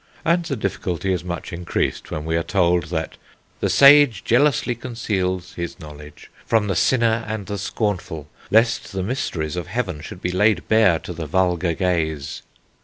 And the difficulty is much increased when we are told that "The Sage jealously conceals [his knowledge] from the sinner and the scornful, lest the mysteries of heaven should be laid bare to the vulgar gaze."